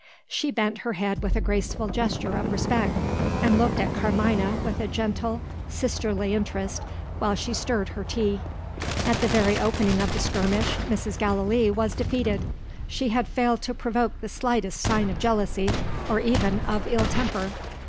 She bent her head with a graceful gesture of respect, and looked at Carmina with a gentle sisterly interest while she stirred her tea. At the very opening of the skirmish, Mrs. Gallilee was defeated. She had failed to provoke the slightest sign of jealousy, or even of ill temper.